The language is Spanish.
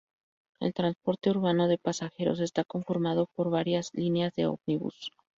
El transporte urbano de pasajeros está conformado por varias líneas de ómnibus.